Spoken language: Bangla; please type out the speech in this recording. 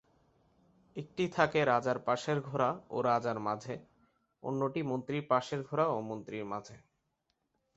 একটি থাকে রাজার পাশের ঘোড়া ও রাজার মাঝে, অন্যটি মন্ত্রীর পাশের ঘোড়া ও মন্ত্রীর মাঝে।